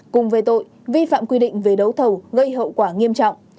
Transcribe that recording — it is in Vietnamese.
cùng về tội vi phạm quy định về đấu thầu gây hậu quả nghiêm trọng